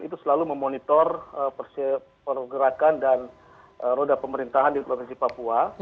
itu selalu memonitor pergerakan dan roda pemerintahan di provinsi papua